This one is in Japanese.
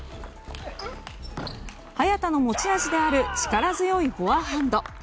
早田の持ち味である力強いフォアハンド。